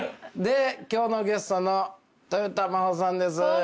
で今日のゲストのとよた真帆さんです。